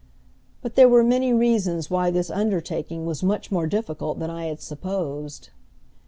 But there were many reasons why this undertaking was much more difficult than I had supposed.